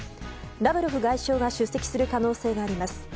ラブロフ外相が出席する可能性があります。